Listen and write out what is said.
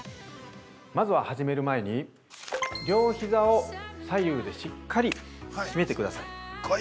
まずは、始める前に両ひざを左右でしっかり閉めてください。